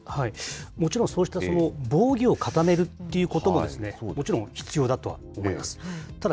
もちろん、そうした防御を固めるっていうこともですね、もちろん必要だとは思います。